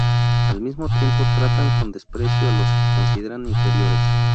Al mismo tiempo tratan con desprecio a los que consideran inferiores.